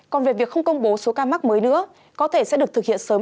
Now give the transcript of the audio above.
còn về việc không công bố số ca mắc mới nữa có thể sẽ được thực hiện sớm